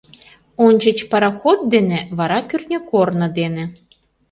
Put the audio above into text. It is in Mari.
Ончыч пароход дене, вара кӱртньӧ корно дене.